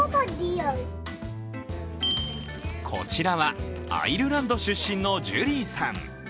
こちらはアイルランド出身のジュリーさん。